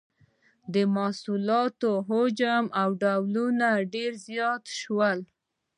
د محصولاتو حجم او ډولونه ډیر زیات شول.